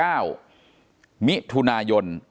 เป็นวันที่๑๕ธนวาคมแต่คุณผู้ชมค่ะกลายเป็นวันที่๑๕ธนวาคม